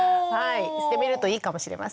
してみるといいかもしれません。